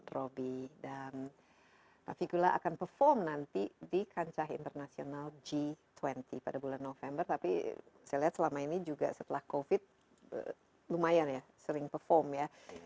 robby dan pak figula akan perform nanti di kancah internasional g dua puluh pada bulan november tapi saya lihat selama ini juga setelah covid lumayan ya sering perform ya